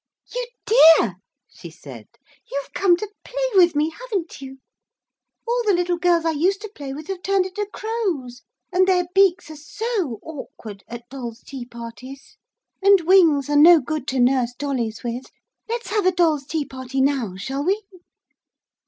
'You dear!' she said. 'You've come to play with me, haven't you? All the little girls I used to play with have turned into crows, and their beaks are so awkward at doll's tea parties, and wings are no good to nurse dollies with. Let's have a doll's tea party now, shall we?'